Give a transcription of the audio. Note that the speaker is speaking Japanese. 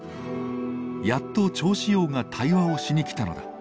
やっと趙紫陽が対話をしに来たのだ。